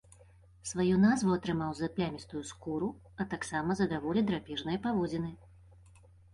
Сваю назву атрымаў за плямістую скуру, а таксама за даволі драпежныя паводзіны.